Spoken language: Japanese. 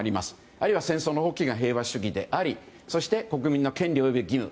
あるいは戦争の放棄が平和主義であり国民の権利及び義務